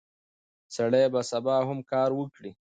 سړی به سبا هم کار وکړي.